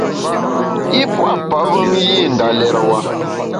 Yî pua’ pavem yî nda lérewa.